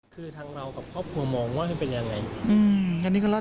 คือทั้งเรากับครอบครัวมองว่าเป็นยังไงอืมอันนี้ก็เล่า